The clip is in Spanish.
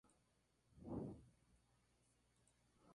El Hospital nuevo era administrado por don Pedro Juan Solar.